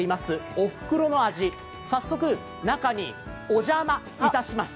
おふくろの味、早速中にお邪魔いたします。